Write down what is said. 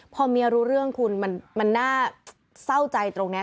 พอเมียรู้เรื่องคุณมันน่าเศร้าใจตรงนี้